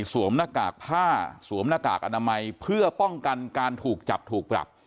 หน้ากากผ้าสวมหน้ากากอนามัยเพื่อป้องกันการถูกจับถูกปรับ